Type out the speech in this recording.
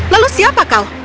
lalu siapa kau